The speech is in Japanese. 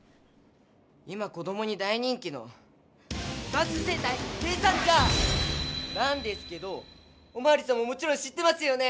今子どもに大人気の「さんすうセンタイ計算ジャー」なんですけどおまわりさんももちろん知ってますよね？